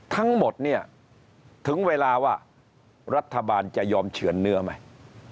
ทั้งหมดเนี่ยถึงเวลาว่ารัฐบาลจะยอมเฉือนเนื้อไหม